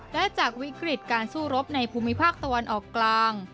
และจากวิกฤตการสู้รบในภูมิภาคตะวันออกกลาง